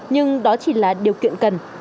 nhưng đó chỉ là điều kiện cần